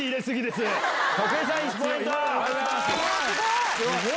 すごい！